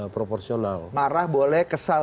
proporsional marah boleh kesal